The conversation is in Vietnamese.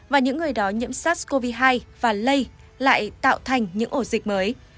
và những người đó nhiễm sát covid hai và lây lại tạo thành những ổ dịch mới